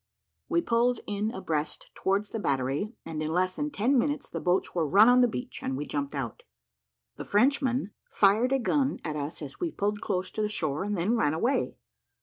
We pulled in abreast towards the battery, and in less than ten minutes the boats were run on the beach, and we jumped out. The Frenchmen fired a gun at us as we pulled close to the shore, and then ran away.